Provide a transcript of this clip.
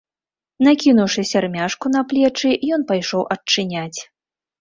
Накінуўшы сярмяжку на плечы, ён пайшоў адчыняць.